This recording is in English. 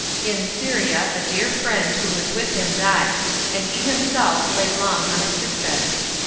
In Syria a dear friend who was with him died, and he himself lay long on a sick bed.